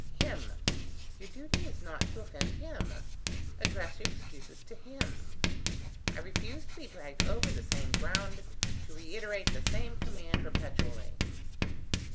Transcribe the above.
"Him! Your duty is not to offend him. Address your excuses to him. I refuse to be dragged over the same ground, to reiterate the same command perpetually."